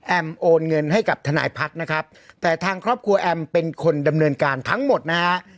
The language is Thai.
โอนเงินให้กับทนายพักนะครับแต่ทางครอบครัวแอมเป็นคนดำเนินการทั้งหมดนะฮะ